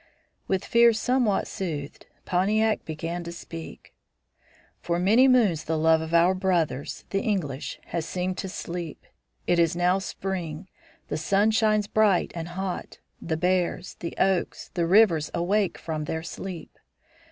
With fears somewhat soothed, Pontiac began to speak: "For many moons the love of our brothers, the English, has seemed to sleep. It is now spring; the sun shines bright and hot; the bears, the oaks, the rivers awake from their sleep.